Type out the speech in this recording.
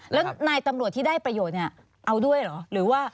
แล้วนายตำรวจที่ได้ประโยชน์เนี่ยเอาด้วยเหรอหรือว่า